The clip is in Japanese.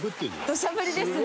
「土砂降りですね」